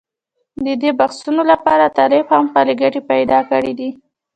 د دې بحثونو لپاره طالب هم خپل ګټې پېدا کړې دي.